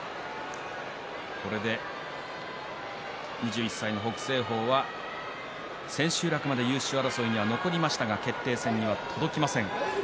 これで２１歳の北青鵬は千秋楽まで優勝争いには残りましたが優勝決定戦には進むことができません。